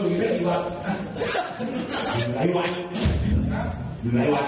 พี่หนุ่มคะเขาพูดว่าอะไรคะ